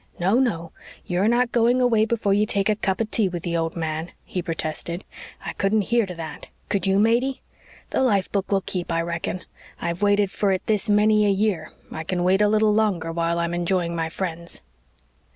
"No, no, you're not going away before you take a cup of tea with the old man," he protested. "I couldn't hear to that could you, Matey? The life book will keep, I reckon. I've waited for it this many a year. I can wait a little longer while I'm enjoying my friends."